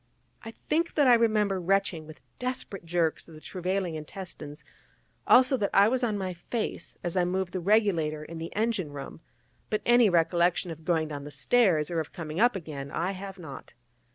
I think that I remember retching with desperate jerks of the travailing intestines; also that I was on my face as I moved the regulator in the engine room: but any recollection of going down the stairs, or of coming up again, I have not.